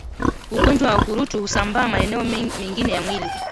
Ugonjwa wa ukurutu husambaa maeneo mengine ya mwili